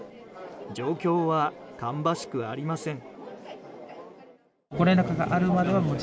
状況は芳しくありません。